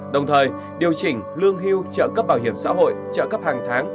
đồng thời điều chỉnh lương hưu trợ cấp bảo hiểm xã hội trợ cấp hàng tháng